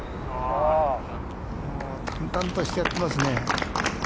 淡々としてやってますね。